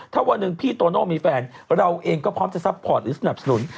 ถ้าวันหนึ่งพี่โตโน่มีแฟนเราเองก็พร้อมจะซัพพอร์ตหรือสนับสนุน